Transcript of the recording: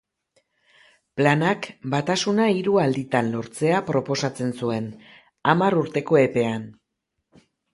Planak batasuna hiru alditan lortzea proposatzen zuen, hamar urteko epean.